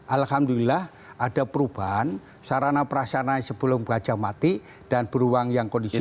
alhamdulillah ada perubahan sarana perasaan sebelum gajah mati dan beruang yang kondisi itu